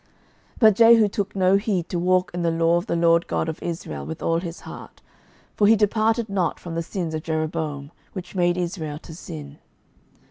12:010:031 But Jehu took no heed to walk in the law of the LORD God of Israel with all his heart: for he departed not from the sins of Jeroboam, which made Israel to sin.